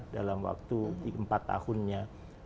dalam waktu empat tahunnya